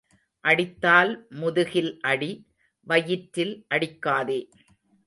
அடித்தால் முதுகில் அடி, வயிற்றில் அடிக்காதே.